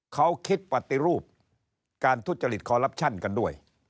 เขาคิดปฏิรูปการทุจริตคอลลับชั่นกันด้วย